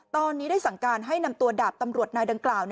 ตอนนี้ได้สั่งการให้นำตัวดาบตำรวจนายดังกล่าว